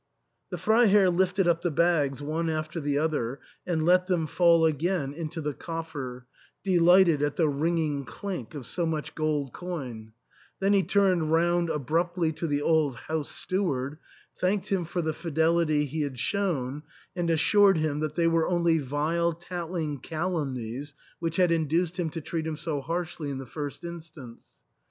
The Freiherr lifted up the bags one after the other and let them fall again into the coffer, delighted at the ringing clink of so much gold coin ; then he turned round abruptly to the old house steward, thanked him for the fidelity he had shown, and assured him that they were only vile tattling calumnies which had induced him to treat him so harshly in the first instance.